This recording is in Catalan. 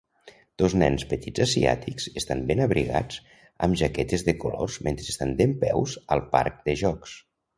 Dos nens petits asiàtics estan ben abrigats amb jaquetes de colors mentre estan dempeus al parc de jocs